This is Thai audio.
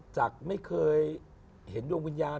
จากไม่เคยเห็นดวงวิญญาณ